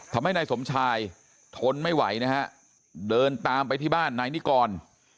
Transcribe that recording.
ทำให้นายสมชายทนไม่ไหวนะฮะเดินตามไปที่บ้านนายนิกร